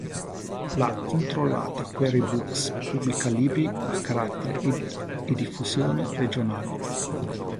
La controllata Quarry Books pubblica libri a carattere e diffusione regionale.